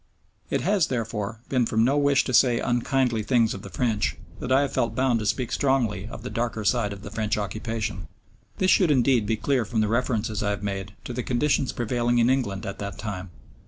It has, therefore, been from no wish to say unkindly things of the French that I have felt bound to speak strongly of the darker side of the French occupation. This should indeed be clear from the references I have made to the conditions prevailing in England at that time.